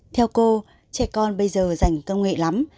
theo cô trẻ con bây giờ dành công nghệ lắm